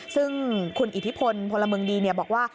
ซึ่งคุณอิทธิพลพลเมืองดีบอกว่า